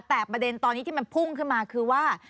แต่ประเด็นตอนนี้ที่มันพุ่งขึ้นมาคือว่า